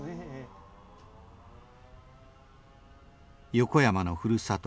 横山のふるさと